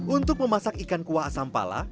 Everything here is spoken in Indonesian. untuk memasak ikan kuah asam pala